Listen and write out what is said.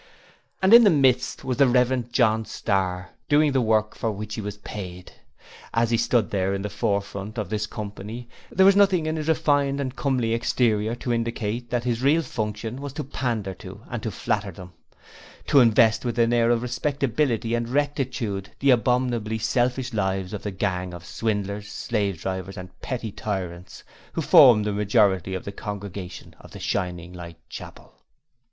And in the midst was the Rev. John Starr, doing the work for which he was paid. As he stood there in the forefront of this company, there was nothing in his refined and comely exterior to indicate that his real function was to pander to and flatter them; to invest with an air of respectability and rectitude the abominably selfish lives of the gang of swindlers, slave drivers and petty tyrants who formed the majority of the congregation of the Shining Light Chapel.